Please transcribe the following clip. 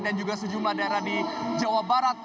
dan juga sejumlah daerah di jawa barat